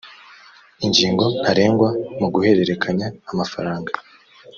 ingingo ntarengwa mu guhererekanya amafaranga